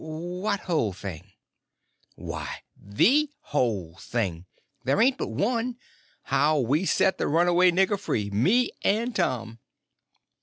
"What whole thing?" "Why, the whole thing. There ain't but one; how we set the runaway nigger free—me and Tom."